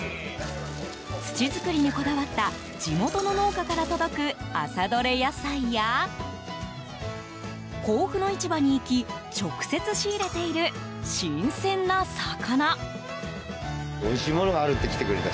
土作りにこだわった地元の農家から届く朝どれ野菜や甲府の市場に行き直接仕入れている新鮮な魚。